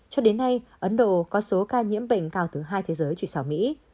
cho đến nay ấn độ có số ca nhiễm bệnh cao thứ hai thế giới trụi xảo mỹ